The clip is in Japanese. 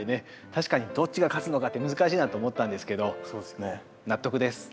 確かにどっちが勝つのかって難しいなと思ったんですけど納得です。